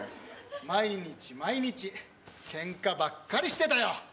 毎日毎日けんかばっかりしてたよ。